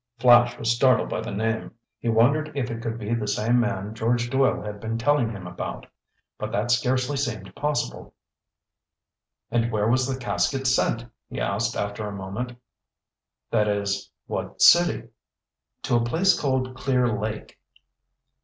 Flash was startled by the name. He wondered if it could be the same man George Doyle had been telling him about. But that scarcely seemed possible. "And where was the casket sent?" he asked after a moment. "That is, what city?" "To a place called Clear Lake."